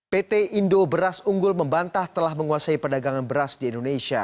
pt indo beras unggul membantah telah menguasai perdagangan beras di indonesia